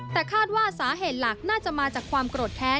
แต่คาดว่าสาเหตุหลักน่าจะมาจากความโกรธแค้น